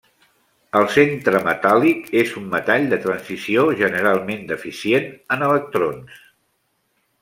El centre metàl·lic és un metall de transició generalment deficient en electrons.